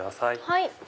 はい。